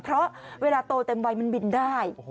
เพราะเวลาโตเต็มวัยมันบินได้